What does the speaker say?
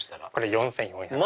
４４００円。